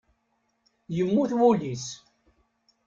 Yemmut wul-is.